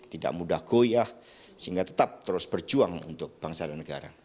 tidak mudah goyah sehingga tetap terus berjuang untuk bangsa dan negara